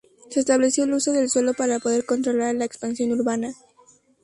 Se estableció el uso del suelo para poder controlar la expansión urbana.